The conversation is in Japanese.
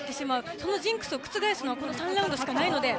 そのジンクスを覆すのはこの３ラウンドしかないので。